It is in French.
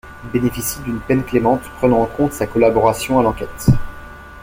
Il bénéficie d'une peine clémente, prenant en compte sa collaboration à l'enquête.